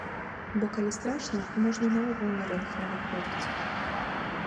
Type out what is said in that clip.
Бо калі страшна, можна наогул на рынг не выходзіць.